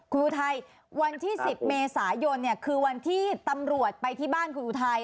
คุณอุทัยวันที่๑๐เมษายนคือวันที่ตำรวจไปที่บ้านคุณอุทัย